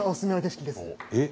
えっ？